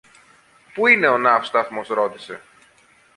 Πού είναι ο ναύσταθμος; ρώτησε.